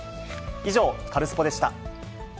以上、カルスポっ！でした。